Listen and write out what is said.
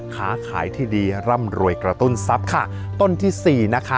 ค้าขายที่ดีร่ำรวยกระตุ้นทรัพย์ค่ะต้นที่สี่นะคะ